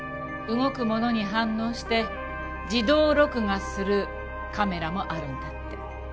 動くものに反応して自動録画するカメラもあるんだって。